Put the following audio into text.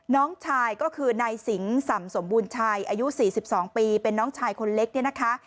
น้องชายก็คือนายสิงสำสมบูรณ์ชัยอายุ๔๒ปีเป็นน้องชายคนเล็กเนี่ยนะคะ